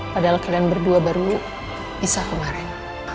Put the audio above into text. padahal kalian berdua baru pisah kemarin